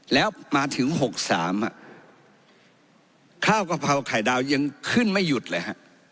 แล้วมาถึง๖๓ข้าวกะเพราไข่ดาวยังขึ้นไม่หยุดเลยฮะ